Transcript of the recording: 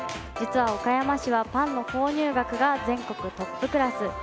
実は岡山市は、パンの購入額が全国トップクラス。